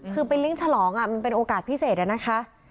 คือไปเลี้ยงฉลองมันเป็นโอกาสพิเศษนะคะ